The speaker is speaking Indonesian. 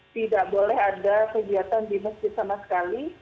tidak boleh ada kegiatan di masjid sama sekali